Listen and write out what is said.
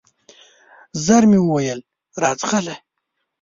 ژر مي وویل ! راځغله